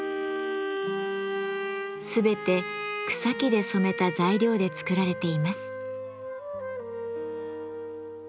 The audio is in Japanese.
全て草木で染めた材料で作られています。